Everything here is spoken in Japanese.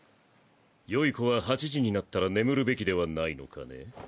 よい子は８時になったら眠るべきではないのかね？